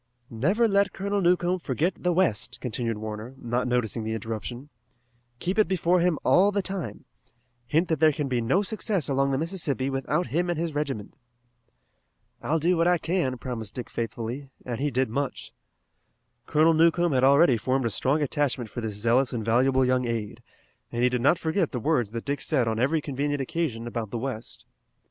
"Never let Colonel Newcomb forget the west," continued Warner, not noticing the interruption. "Keep it before him all the time. Hint that there can be no success along the Mississippi without him and his regiment." "I'll do what I can," promised Dick faithfully, and he did much. Colonel Newcomb had already formed a strong attachment for this zealous and valuable young aide, and he did not forget the words that Dick said on every convenient occasion about the west.